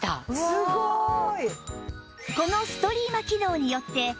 すごい！